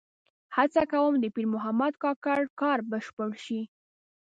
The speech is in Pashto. هڅه کوم د پیر محمد کاکړ کار بشپړ شي.